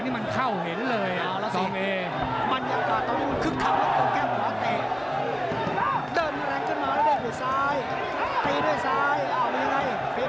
ตีด้วยซ้ายอ้าวมันยังไงเบ๊บเบ๊